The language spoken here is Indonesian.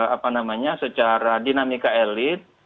apa namanya secara dinamika elit